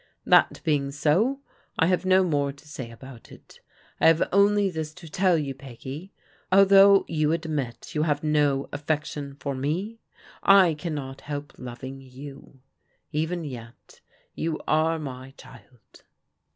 That being so, I have no more to say about it. I have only this to tell you, Peggy, although you admit you have no affection for me, I cannot help loving you. Even yet, you are my child."